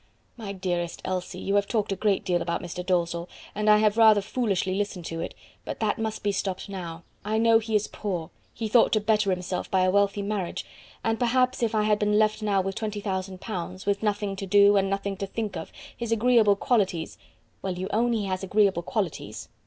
"My dearest Elsie, you have talked a great deal about Mr. Dalzell, and I have rather foolishly listened to it, but that must be stopped now. I know he is poor; he thought to better himself by a wealthy marriage; and perhaps if I had been left now with 20,000 pounds, with nothing to do and nothing to think of, his agreeable qualities " "Well, you own he has agreeable qualities."